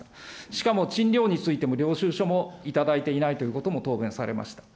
しかも、賃料についても、領収書も頂いていないということも答弁されました。